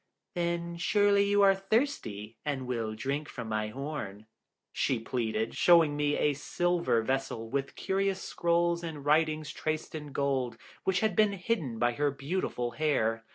"Then surely you are thirsty, and will drink from my horn?" she pleaded, showing me a silver vessel with curious scrolls and writings traced in gold, which had been hidden by her beautiful hair.